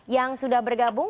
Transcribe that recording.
yang sudah bergabung